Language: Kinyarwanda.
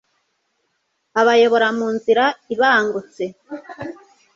abayobora mu nzira ibangutse